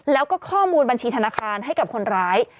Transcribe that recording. แล้วก็ข้อมูลบัญชีธนาคารให้กับคนร้าย